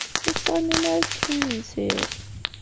Ur tettɣimim ara ad teččem imensi?